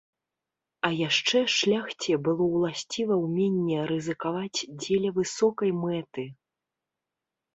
А яшчэ шляхце было ўласціва ўменне рызыкаваць дзеля высокай мэты.